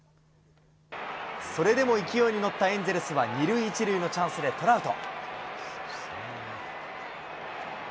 それでも勢いに乗ったエンゼルスは、２塁１塁のチャンスでトラウト。